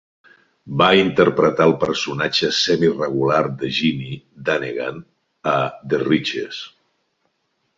Va interpretar al personatge semiregular de Ginny Dannegan a "The Riches".